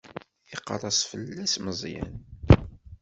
Iqerres fell-as Meẓyan.